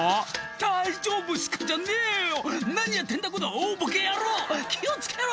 「大丈夫っすかじゃねえよ！」「何やってんだこの大ボケ野郎気を付けろ！」